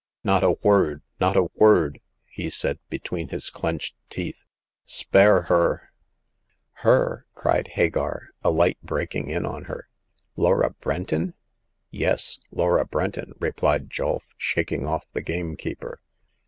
" Not a word ! not a word !" he said, between his clenched teeth. Spare her !"" Her !" cried Hagar, a light breaking in on her. " Laura Brenton ?"" Yes, Laura Brenton, replied Julf, shaking off the gamekeeper.